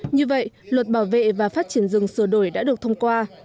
như vậy luật bảo vệ và phát triển rừng sửa đổi đã được thông qua